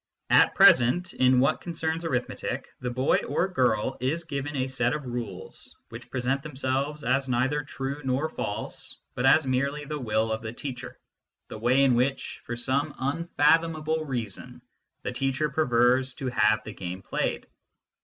At present, in what concerns arithmetic, the boy or girl is given a set of rules, which present themselves as neither true nor false, but as merely the will of the teacher, the way in which, for some unfathomable reason, the teacher prefers to have the game played.